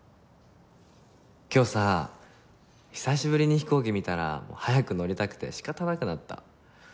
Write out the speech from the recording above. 今日さ久しぶりに飛行機見たら早く乗りたくて仕方なくなった。